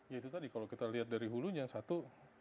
ya itu tadi kalau kita lihat dari hulunya satu